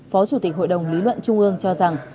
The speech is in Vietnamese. phó chủ tịch hội đồng lý luận trung ương cho rằng